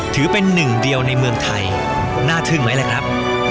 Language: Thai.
ถือเป็นหนึ่งเดียวในเมืองไทยน่าทึ่งไหมล่ะครับ